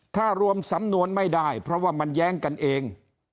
ถ้ารวมสำนวนไม่ได้เพราะว่ามันแย้งกันเอง